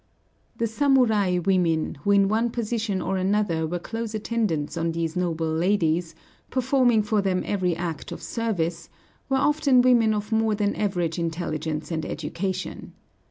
The samurai women, who in one position or another were close attendants on these noble ladies, performing for them every act of service, were often women of more than average intelligence and education.